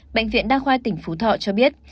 bệnh viện đa khoa tỉnh phú thọ cho biết